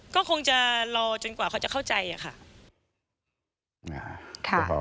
ก็คงจะรอจนกว่าเขาจะเข้าใจอะค่ะ